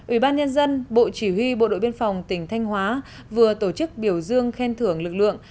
ủy ban nhân dân bộ chỉ huy bộ đội biên phòng tỉnh thanh hóa vừa tổ chức biểu dương khen thưởng lực lượng